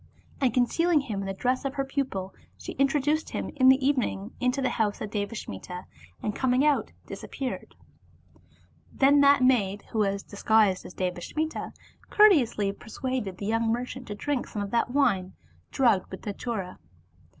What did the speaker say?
And concealing him in the dress of her pupil, she introduced him in the evening into the house of Devasmita, and coming out, disappeared. Then that 88 DevasmUd maid, who was disguised as Devasmiti, courteously per suaded the young merchant to drink some of that wine drugged with Datura.